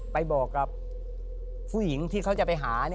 ไปบอกครับ